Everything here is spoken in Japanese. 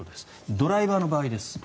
ドライバーの場合です。